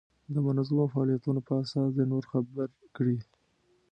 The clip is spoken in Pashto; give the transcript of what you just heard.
د منظمو فعالیتونو په اساس دې نور خبر کړي.